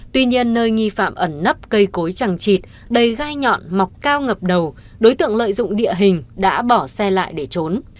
tuy nhiên nơi nghi phạm ẩn nấp cây cối chẳng chịt đầy gai nhọn mọc cao ngập đầu đối tượng lợi dụng địa hình đã bỏ xe lại để trốn